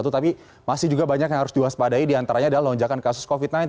tetapi masih juga banyak yang harus diwaspadai diantaranya adalah lonjakan kasus covid sembilan belas